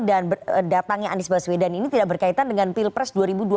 dan datangnya anies baswedan ini tidak berkaitan dengan pilpres dua ribu dua puluh empat